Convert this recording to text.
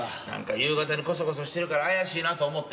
夕方にコソコソしてるから怪しいなと思って。